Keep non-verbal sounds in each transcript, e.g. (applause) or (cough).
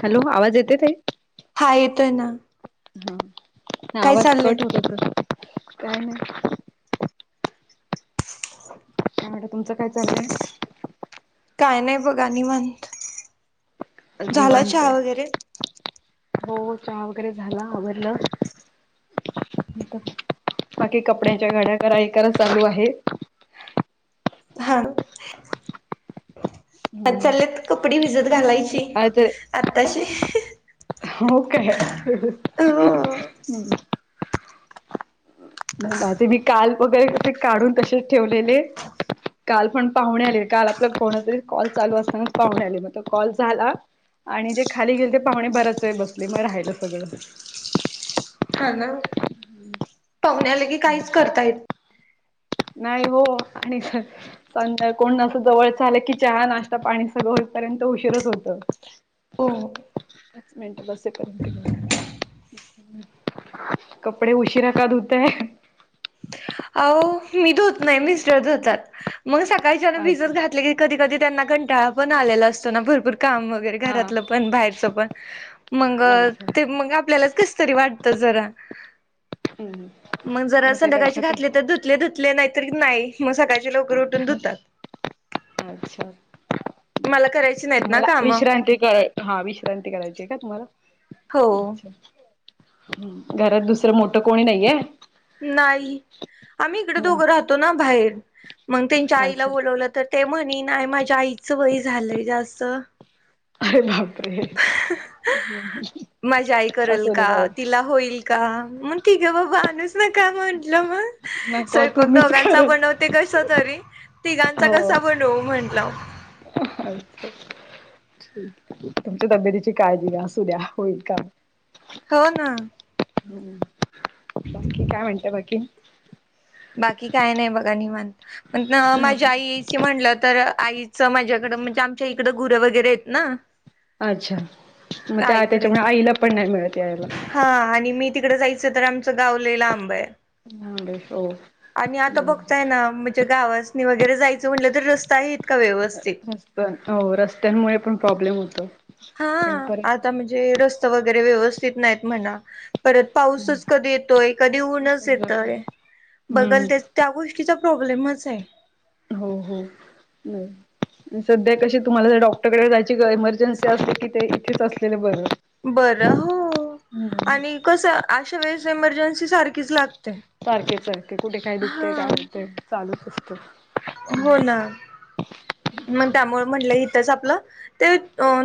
Hello आवाज येतोय ताई? हा येतोय ना. हा काय आवाज चाललंय कट होत होतं, काय नाही. (unintelligible) तुमचं काय चाललंय? काय नाही बघा निवांत. आज झाला निवांत चहा हाय. वगैरे हो चहा वगैरे झाला आवरलं. बाकी कपड्याच्या घड्या कराय करण चालू आहे. (unintelligible) हम्म चालेत कपडे भिजत घालायची काय तर आताशी. हो काय? हो हम्म. मग माझे मी काल (unintelligible) कसे काढून तसेच ठेवलेले. काल पण पाहुणे आले. काल आपला कोणतरी कॉल चालू असतानाच पाहुणे आले, मग तो कॉल झाला. आणि जे खाली गेल ते पाहुणे बराच वेळ बसले, मग राहिलं सगळं. हा ना. पाहुणे आले की काहीच करता येत नाही हो आणि पण‌ ना कोण असं जवळच आलं की चहा, नाश्ता, पाणी सगळं होईपर्यंत उशीरच होतं. हो पाच मिनटं बसे कंटिन्यू. कपडे उशीरा का धुताय? अहो मी धुत नाही मिस्टर धुतात. मग सकाळच्यानं अच्छा भिजत घातले की कधी कधी त्यांना कंटाळा पण आलेला असतो ना, भरपूर काम वगैरे हा घरातलं पण बाहेरच पण मग अच्छा ते मग आपल्याला कस तरी वाटतंच जरा. हम्म हम्म. मग त्या पेक्षा ते ते धुतले धुतले नाहीतर नाही, मग सकाळचे लवकर उठून धुतात. अच्छा मला करायची नाहीत ना कामं? हा ठिक आहे. हा विश्रांती करायची आहे का तुम्हाला? हो अच्छा. हम्म. घरात दुसरं मोठं कोणी नाहीये? नाही आम्ही इकडे नाही दोघं राहतो ना बाहेर, मग त्यांच्या आईला अच्छा बोलवलं तर ते म्हणे नाही माझ्या आईचं वय झालंय जास्त. अरे बापरे माझी आई करेल असू दे का? जाऊ दे तिला होईल का? मग ठीक आहे बाबा माणुस मी काय म्हंटलं मग नको स्वयंपाक तुम्हीच दोघांचा करत बनवते कसतरी. तिघांचा हो कसा बनवू म्हंटलं. अच्छा. तुमच्या तब्येतीची काळजी घ्या असू द्या होईल काम कहो ना. हम्म. बाकी काय म्हणता बाकी? बाकी काय नाही बघा निवांत, पण माझ्या आईची म्हटलं तर आई च माझ्याकडं म्हणजे आमच्या इकडं गुरं वगैरे आहेत ना. अच्छा मग ते आईकडे त्याच्यामुळे आईला पण नाही मिळते यायला. हा आणि मी तिकडं जायचं तर आमचं गाव लई लांब आहे. (unintelligible) हो. आणि आता बघताय ना म्हणजे गावासनी वगैरे जायचं म्हटलं तर रस्ता इत त हो रस्त्यांमुळे पण प्रॉब्लेम होतो. हा आणि परत आता म्हणजे रस्त वगैरे व्यवस्थित नाहीत म्हणा. परत पाऊसच कधी येतोय, कधी ऊनच जातो येतंय. हम्म बघल ते त्या गोष्टीचा प्रॉब्लेमच हाय. हम्म हम्म हम्म. सध्या कशी तुम्हाला जर डॉक्टरकडे जायची गर इमर्जन्सी असले, की ते इथेच असलेले बरं. बर हो हम्म आणि कसं अशावेळेस एमर्जन्सी सारखीच लाग सारखे सारखे कुठे काय दुखतंय, काय होतंय चालूच असतं. हो ना. मग त्यामुळे म्हंटलं इथंच आपलं ते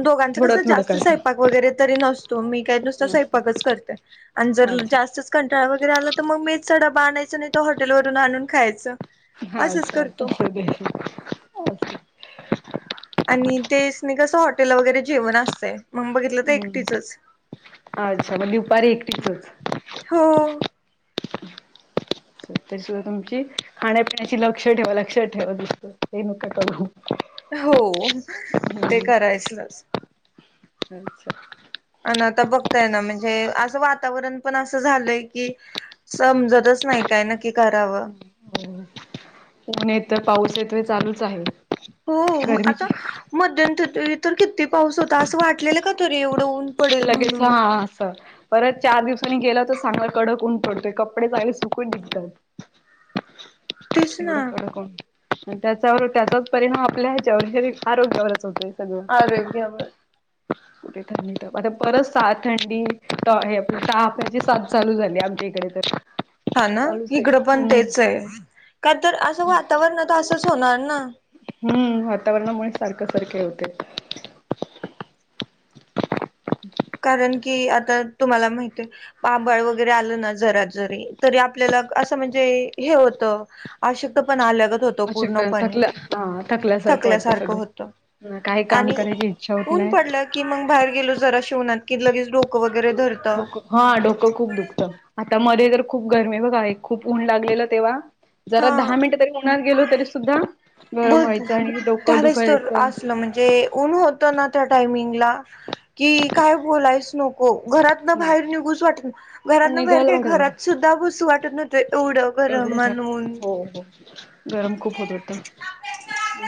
दोघांचं थोडं कसं थोडं जास्त स्वयंपाक वगैरे तरी नस तो मी काही नुसता करता. स्वयंपाकच करत्या. आणि जरूर अच्छा जास्तच कंटाळ वगैरे आला तर, मग मेसचा डबा आणयचं, नाहीतर हॉटेलवरून आणून खायचं. असंच करतो. (inaudible) आणि तेसनी कसं हॉटेल वगैरे जेवण असतंय, मग बघितलं तर हम्म एकटीचच. अच्छा मग दुपारी एकटीचच. हो. तरीसुद्धा तुमची. खाण्यापिण्याची लक्ष ठेवा लक्ष ठेवा, (unintelligible) ते नका का करू. हो ते हम्म करायचलाच. अच्छा आन आता बघताय ना, म्हणजे असं वातावरण पण असं झालंय की समजतच नाही काय नक्की करावं. हो ऊन येतं, पाऊस येत हे चालूच आहे. हो गरमीची आता मध्यंतर इतर किती पाऊस होता, असं वाटलेलं का तरी एवढं ऊन पडेल लगेच म्हणून. हा असं परत चार दिवसांनी गेला तर सांगा कडक ऊन पडतंय, कपडे चांगले सुकून निघतात. तेच ना एवढं कडक अन आणि त्याच्यावर त्याचाच परिणाम आपल्या ह्याच्यावर घरी आरोग्यावरच होतोय. सगळं आरोग्यावर कुठे त्यांनी आता परत साथ थंडी, त हे ताप याची साथ चालू झाली आमच्या इकडं तर. हा ना, चालूच आहे. इकडं पण हम्म तेच आहे. का तर अशा वातावरणात असंच होणार ना. हम्म वातावरणामुळे सारखं सारखं होतंय. (unintelligible) कारण की आता तुम्हाला माहितीय मग आभळ वगैरे आलं ना जरात जरी, तरी आपल्याला असं म्हणजे हे होतं आशक्तपणा आल्यात. अशक्त थकल्या हा थकल्यासारखं वाटतं सगळं. हं काही काम आणि करायची इच्छा होत ऊन नाय. पडलं की मग बाहेर गेलो जराशी ऊन्हात, की लगेच डोकं वगैरे धरतं. डोकं हा डोकं खूप दुखतं. आता मध्ये तर खूप गरमी बघा आहे, खूप ऊन लागलेलं तेव्हा जरा दहा हा मिनिटं तरी उन्हात गेलो तरी सुद्धा गरम भरपूर, व्हायचं आणि डोकं त्यालाच तर दुखायचं असलं म्हणजे ऊन होत ना त्या टायमिंगला, की काय बोलायच नको. हो घरातनं नाही बाहेर निघूसं वाटत नाही. पण घरातनं बाहेर निघायला काय, वाटत घरातसुद्धा बसू वाटत नव्हतं एवढं गरम आन ऊन हो हो गरम खूप होत होतं.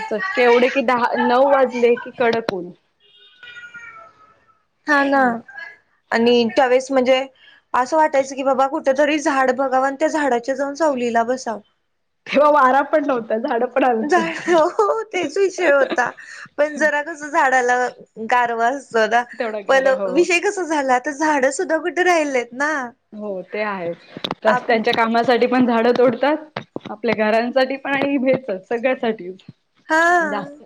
चटके एवढे की दहा नऊ वाजले की कडक ऊन. हा ना आणि त्यावेळेस म्हणजे असं वाटायचं की बाबा कुठ तरी झाड बघाव आणि त्या झाडाच्या जाऊन सवलीला बसावं. तेव्हा वारा पण नव्हतं, झाडं पण हलत होती. झालं हो तेच विषय होता. पण जरा कस झाडाला गारवा असतो ना तेवढा पण गारा हो. विेष कस झालं आता झाड सुद्धा कुठे राहिले आहेत ना? हो ते आहे आप रस्त्याच्या कामा तरी पण झाडं तोडतात आपल्या घरांसाठी पण आ भेरच सगळ्यासाठी. हा जास्त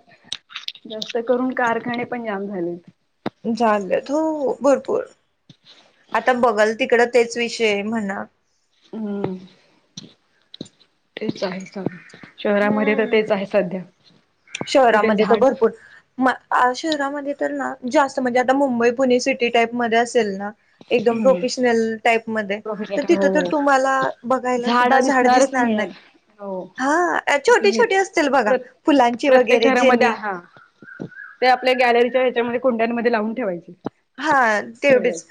जास्त करून कारखाने पण जाम झालेत. झालंत हो भरपूर आता बघल तिकडं तेच विषय म्हणा. हम् तेच आहे सग शहरामध्ये तर हम्म तेच आहे सध्या कुठे शहरामध्ये तर झाड भरपूर म शहरामध्ये तर ना जास्त म्हणजे आता मुंबई पुणे सिटी टाईपमध्ये असेल ना एकदम हम्म प्रोफेशनल टाईप मधे तर तिथं तर हो तुम्हाला बघायला सुद्धा झाडा झाड दिसणारच दिसणार नाही. मिळेल हो हा तिथे छोटे छोटे हेच असतील बघा प्र फुलांची प्रत्येक वगैरे घरामध्ये जेनी आहे ते आपल्या गॅलरीच्या ह्याच्यामध्ये कुंड्यांमध्ये लावून ठेवायची. हा तेवढेच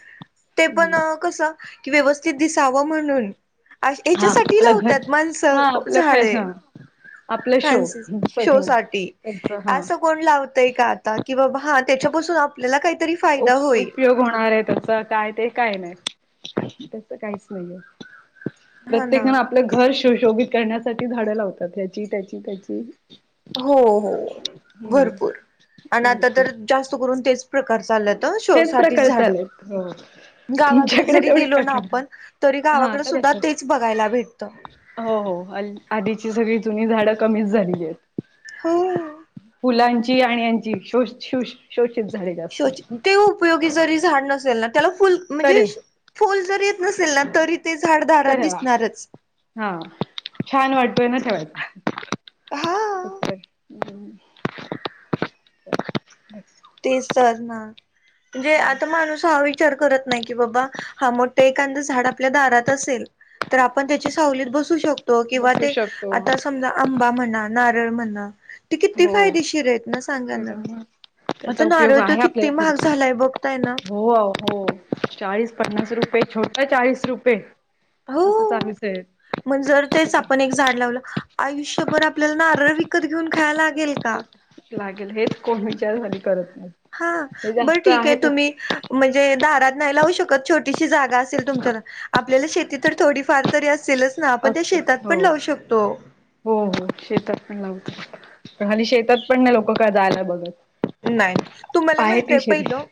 ते पण हम्म कसं की व्यवस्थित दिसावं म्हणून. अ हा हेच्यासाठी आपलं घर लावतात माणसं हा आपलं झाडे. फॅशन आपलं शो फॅनस शो सगळं साठी त्यांच हा असं कोण लावताय का आता कि बाबा हा त्याच्यापासून आपल्याला काय ऊप उपयोग होणार आहे तस काय ते काय नाही त्याच काहीच नाहीये. हा ना प्रत्येकण आपलं घर श शोभित करण्यासाठी झाडं लावतात ह्याची त्याची त्याची हो हो हम्म भरपूर आणि आता तर जास्त करून तेच प्रकार चालेलंत ह शो तेच साठीच प्रकार झाड चालेत हो गावाकडे तुमच्याकडे जरी तेवढे गेलो ना काय आपण तरी हा गावाकडे सुद्धा तर तेच बघायला भेटत. हो हो अलट आधीची सगळी जुनी झाडं कमीच झाली आहेत. हो. फुलांची आणि यांची श शष शोषित झालेला शोची ते उपयोगी जरी झाड नसेल ना त्याला फुल म्हणजे चालेल. फूल जर येत नसेल ना तरी ते झाडदारात तर दिसणारच. हा छान वाटतोय ना हा ते (unintelligible) तेच तर ना म्हणजे आता माणूस हा विचार करत नाही की बाबा हा मोठ ते एखादां झाड आपल्या दारात असेल तर आपण त्याची सावलीत बसू शकतो तो किंवा बसू ते शकतो. आता समजा आंबा म्हणा नारळ म्हणा ती किती हो. फायदेशीर आहेत ना सांगा ना. त्याच्यामुळे त्याचा आता उपयोग नारळ तर आहे आपल्याला किती पुढ महाग झालाय बघताय ना हो आवो हो. चाळीस पन्नास रुपये छोटा चाळीस रुपये अस चालूच आहे. मण जर तेच आपण एक झाड लावलं आयुष्यभर आपल्याला नारळ विकत घेऊन खायला लागेल का लागेल हेच कोण विचार हली करत नाही. हा हे बरं जास्त ठीक आहे तेच तुम्ही म्हणजे दारात नाही लावू शकत छोटीशी जागा असेल तुमच्यात तर आपल्याला शेती तर थोडीफार तरी असेलच ना आपण ते असते शेतात पण हो. लावू शकतो. हो हो शेतात पण लावत पण हली शेतात पण नाही लोक काय जायला बघत. नाही नाही तुम्हाला आहे ती माहितय शेती. पहिलं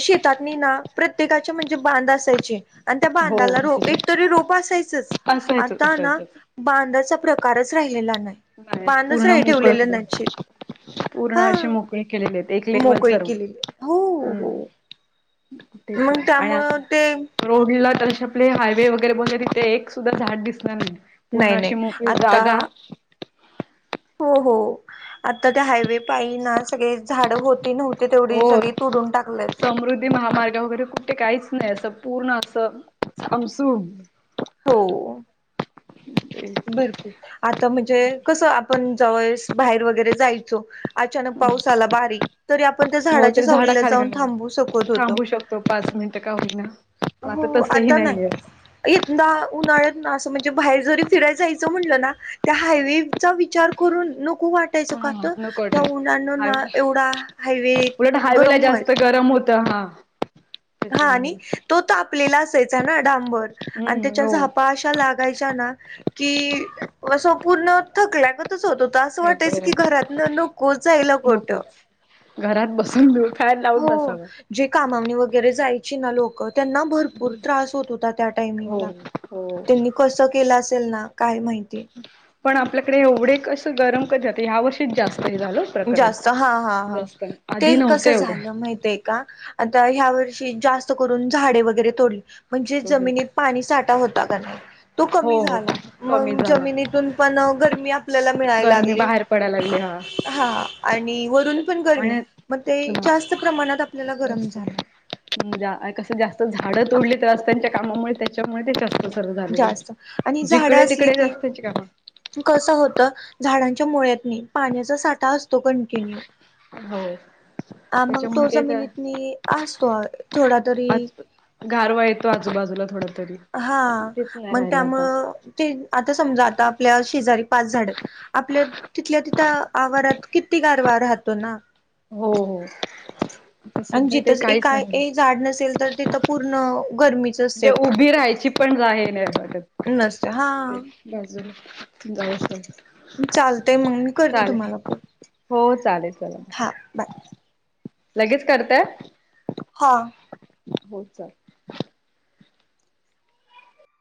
शेतातनी ना प्रत्येकाचे म्हणजे बांध असायचे. आणि त्या हो बांधाला रो एक असंच तरी रोप असायचच असायचंच आता ना असायचंच. बांधाचा प्रकारच राहिलेला नाही. नाही बांधच पूर्ण रा मोकळं ठेवलेले केलं नाहीचे पूर्ण हा असे मोकळे केलेले आहेत. एक लेवल मोकळी सर्व केलेली हो हम्म हो तेच मग ना. आणि अस त्यामुळं ते रोडला तसे आपले हायवे वगैरे बोलले तिथे एक सुद्धा झाड दिसणार नाही. पूर्ण नाही अशी नाही मोकळी जागा. आता हो. हो.. आता ते हायवे पाहिले ना. सगळे झाड होते नव्हती. हो. तेवढी सगळी तोडून टाकलेत समृद्धी महामार्ग वगैरे. कुठे? काहीच नाही. असं पूर्ण असं सामसूम. हो. तेच तर. भरपूर आता म्हणजे कसं? आपण जवळस बाहेर वगैरे जायचो. अचानक हम्म पाऊस आला. बारीक तरी आपण, त्या हो झाडाच्या तरी सावलीला जाऊन थांबू शकत होतो. तो पाच मिनिटं का? होईना पण आता तसही नाहीये. येतना उन्हाळ्यात ना असं म्हणजे बाहेर जरी फिराय जायचं म्हटलं ना त्या हायवेचा विचार करून नको वाट त्ययच हा कात नको त्या वाटत. उनड ना हायवे एवढा हायवे गरम व्हायच ता हा. हा त्याच्यामुळे आणि तो तापलेला असायचा ना, डांबर आणि हम्म त्याच्या हो झापा अशा लाग (unintelligible) की असं पूर्ण थकल्यागत तसंच होत. होतं. असं ठेवतो वाटायचं की, बरोबर घरात न नको जायला कोठं? नकोच घरात बसून देऊ. हो जी कामा वणी वगैरे जायची ना लोक त्यांना भरपूर त्रास होत, होता, त्या हो टायमिंगला हो त्यांनी. कसं? केलं असेल ना, काही माहिती? पण आपल्याकडे एवढे कस गरम कधी आता ह्या वर्षीच जास्त हे झालं. प्रकरण जास्त हा. हा. हा. जास्त ते आधी नव्हतं कसं? झालं एवढं माहितय. का? आता ह्या वर्षी, जास्त करून झाडे वगैरे तोडली. म्हणजे जमिनीत पाणी साठा होता का नाही, तो हो कमी हो झाला‌. कमी मग झाला जमिनीतून पण गरमी आपल्याला मिळायला गरमी लागली बाहेर पडायला लागली हा आणि वरून पण गरमी, आणि मग ते जास्त प्रमाणात आपल्याला गरम झालं‌. (unintelligible) आ कसं जास्त झाडं तोडली तर आज त्यांच्या कामामुळे त्याच्यामुळे तिथं बरं झाल बाई! जास्त जिकडे तिकडे जास्त असत का? कस? होत झाडांच्या मुळ्यातनी पाण्याचा साठा अस तो कंटिन्यू. हो. हा मग, तो त्याच्यामुळे ते तर जमिनीतनी असतो. थोडा तरी. आज गारवा येतो. आजूबाजूला थोडं तरी. हा तेच नाही मग राहिलं आता त्यामुळं ते आता की समजा आता आपल्या शेजारी पाच झाड आहेत. आपल्या तिथल्या तिथं आवारात किती गारवा राहतो ना. हो हो. आता आणि सध्या जिथं ते काहीच नाही राहिलं काय? झाड नसेल, तर तिथं पूर्ण गरमी. म्हणजे उभी राहायची पण नसते (unintelligible) हा तेच बाजूला तु जाऊ (unintelligible) चालतय मग मी करते चालेल. तुम्हाला पण हो चालेल चला.. हा बाय लगेच करतंय. हा. हो चालेल.